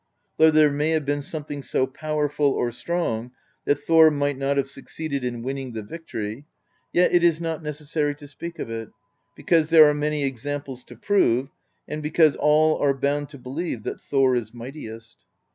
Though there may have been some thing so powerful or strong that Thor might not have succeeded in winning the victory, yet it is not necessary to speak of it; because there are many examples to prove^ and because all are bound to believe, that Thor is mighti est."